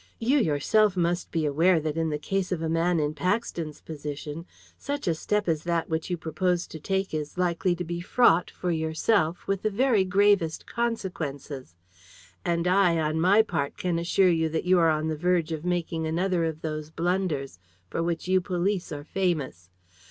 You yourself must be aware that in the case of a man in Paxton's position, such a step as that which you propose to take is likely to be fraught, for yourself, with the very gravest consequences. And I, on my part, can assure you that you are on the verge of making another of those blunders for which you police are famous.